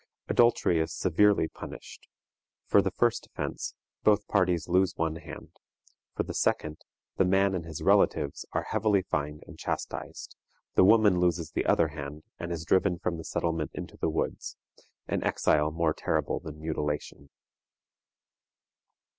Adultery is severely punished: for the first offense both parties lose one hand; for the second, the man and his relatives are heavily fined and chastised, the woman loses the other hand, and is driven from the settlement into the woods an exile more terrible than mutilation.